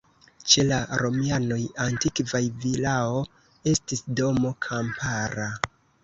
Ĉe la romianoj antikvaj vilao estis domo kampara.